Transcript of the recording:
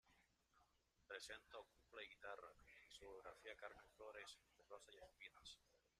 Presentó "Copla y guitarra" y su biografía "Carmen Flores, entre rosas y espinas".